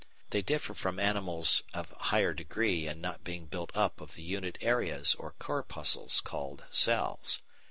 They differ from animals of higher degree in not being built up of the unit areas or corpuscles called cells.